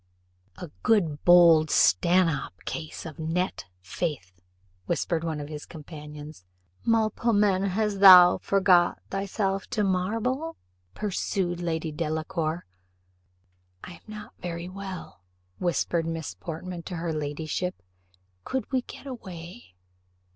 "A good bold Stanhope cast of the net, faith," whispered one of his companions. "Melpomene, hast thou forgot thyself to marble?" pursued Lady Delacour. "I am not very well," whispered Miss Portman to her ladyship: "could we get away?"